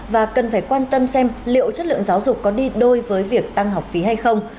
và cần phải quan tâm xem liệu chất lượng giáo dục có đi đôi với việc tăng học phí hay không